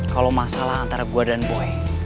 kalau masalah antara gua dan boy